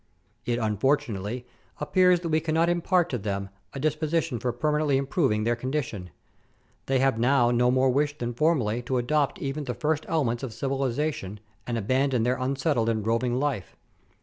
It unfortunately appears that we cannot impart to them a <lisposition for permanently improving their condition. They Letters from Victorian Piotieers. 271 have now no more wish than formerly to adopt even the first elements of civilization, and abandon their unsettled and roving life.